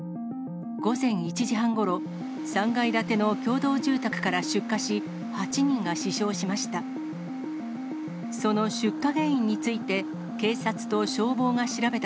午前１時半ごろ、３階建ての共同住宅から出火し、８人が死傷しました。